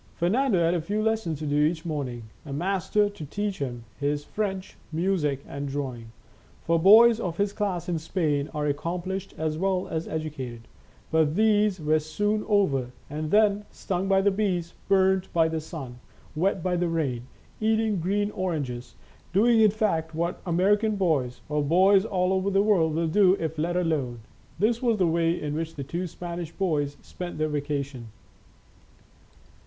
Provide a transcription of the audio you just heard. Fernando had a few lessons to do each morning, a master to teach him his French, music, and drawing, — for boys of his class in Spain are accomplished as well as edu cated, — but these were soon over, and then, stung by the bees, burnt by the sun, wet by the rain, eating green oranges, doing in fact what American boys, or boys all over the world will do if let alone, this was the way in which the two Spanish boys spent their vacation.